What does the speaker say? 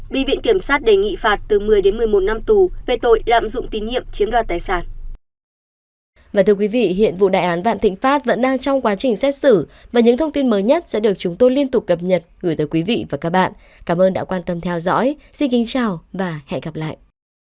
bị viện kiểm sát đề nghị phạt từ một mươi đến một mươi một năm tù về tội lạm dụng tín nhiệm chiếm đoạt tài sản